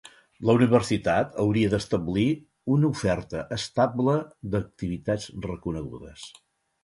La Universitat hauria d'establir una oferta estable d'activitats reconegudes.